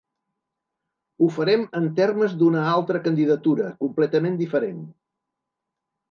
Ho farem en termes d’una altra candidatura completament diferent.